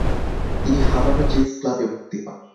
তিনি Havana chess ক্লাবে ভর্তি হন।